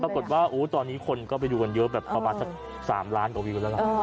ปรากฏว่าตอนนี้คนก็ไปดูกันเยอะแบบประมาณสัก๓ล้านกว่าวิวแล้วล่ะ